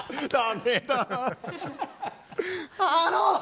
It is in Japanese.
あの！